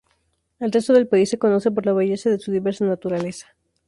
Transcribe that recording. El resto del país se conoce por la belleza de su diversa naturaleza.